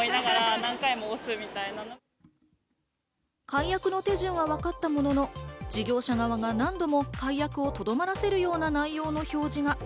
解約の手順はわかったものの、事業者側が何度も解約をとどまらせるような内容の表示が。